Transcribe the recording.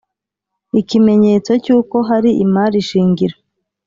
Ikimenyetso cy uko hari imari shingiro.